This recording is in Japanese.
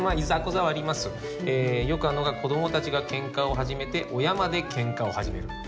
よくあるのが子どもたちがケンカを始めて親までケンカを始める。